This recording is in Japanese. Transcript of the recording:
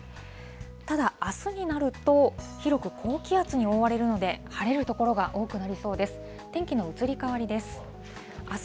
ただ、あすになると、広く高気圧に覆われるので、晴れる所が多くなりそうです。